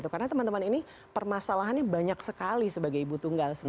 karena teman teman ini permasalahannya banyak sekali sebagai ibu tunggal